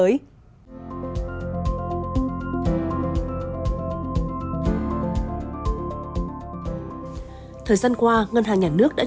thời gian qua ngân hàng nhà nước đã trở thành một trong những quốc gia tăng trưởng nhanh về ứng dụng ngân hàng số